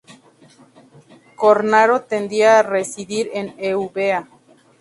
Cornaro tendía a residir en Eubea.